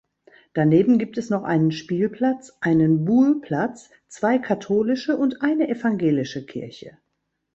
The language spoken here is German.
Daneben gibt es noch einen Spielplatz, einen Boule-Platz, zwei katholische und eine evangelische Kirche.